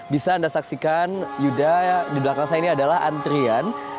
bisa anda saksikan yuda di belakang saya ini adalah antrian